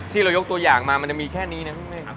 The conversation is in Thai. ที่เรายกตัวอย่างมามันจะมีแค่นี้นะพี่เมฆครับ